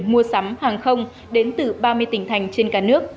mua sắm hàng không đến từ ba mươi tỉnh thành trên cả nước